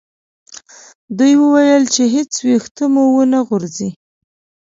دوی وویل چې هیڅ ویښته مو و نه غورځي.